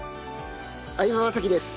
相葉雅紀です。